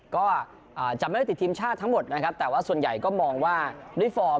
ก็จะไม่ได้ติดทีมชาติทั้งหมดแต่ว่าส่วนใหญ่ก็มองว่าริฟอร์ม